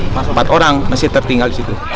empat orang masih tertinggal disitu